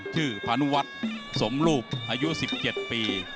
ชื่อพาณุวัตต์สมรูปอายุ๑๗ปี